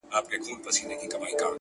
کرۍ ورځ به کړېدی د زوی له غمه-